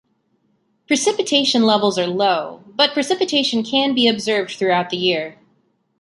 Precipitation levels are low, but precipitation can be observed throughout the year.